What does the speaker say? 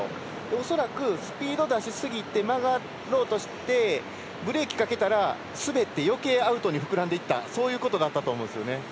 恐らく、スピード出しすぎて曲がろうとしてブレーキかけたら滑ってよけいアウトに膨らんでいったそういうことだと思うんですよね。